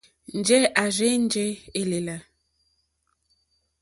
Njɛ̂ à rzênjé èlèlà.